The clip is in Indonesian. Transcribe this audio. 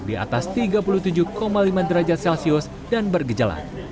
di atas tiga puluh tujuh lima derajat celcius dan bergejala